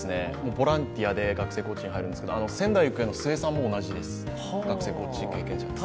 ボランティアで学生コーチに入るんですけど仙台育英の須江さんも同じです、学生コーチ経験者です。